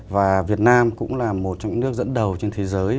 và việt nam cũng là một trong những nước dẫn đầu trên thế giới